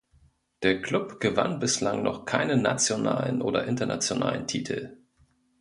Der Klub gewann bislang noch keine nationalen oder internationalen Titel.